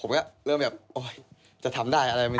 ผมก็เริ่มแบบโอ๊ยจะทำได้อะไรแบบนี้